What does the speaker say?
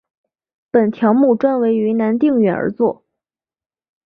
本条目专为云南定远而作。